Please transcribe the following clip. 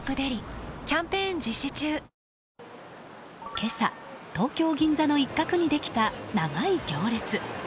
今朝、東京・銀座の一角にできた長い行列。